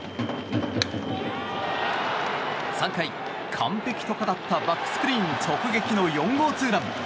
３回、完璧と語ったバックスクリーン直撃の４号ツーラン。